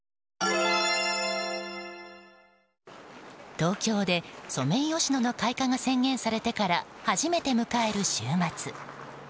東京でソメイヨシノの開花が宣言されてから初めて迎える週末。